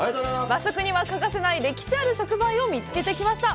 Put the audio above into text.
和食には欠かせない、歴史ある食材を見つけてきました。